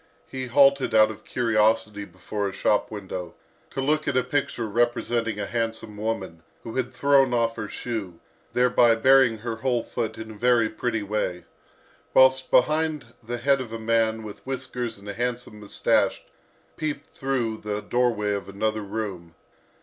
He halted out of curiosity before a shop window, to look at a picture representing a handsome woman, who had thrown off her shoe, thereby baring her whole foot in a very pretty way; whilst behind her the head of a man with whiskers and a handsome moustache peeped through the doorway of another room.